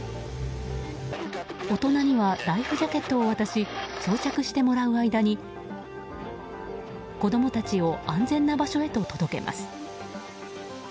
大人にはライフジャケットを渡し装着してもらう間に子供たちを安全な場所へと届けます。